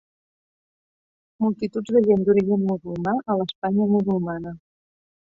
Multituds de gent d'origen musulmà a l'Espanya musulmana.